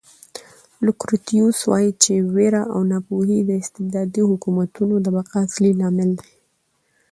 لوکریټیوس وایي چې وېره او ناپوهي د استبدادي حکومتونو د بقا اصلي لاملونه دي.